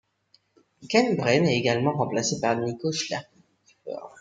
Kay Brem est également remplacé par Nico Schläpfer.